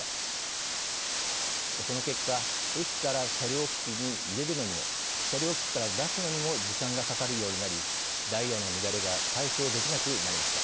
その結果駅から車両基地に入れるのにも車両基地から出すのにも時間がかかるようになりダイヤの乱れが解消できなくなりました。